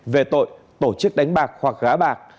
về tội tổ chức đánh bạc hoặc gã bạc